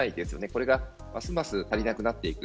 これがますます足りなくなっていく。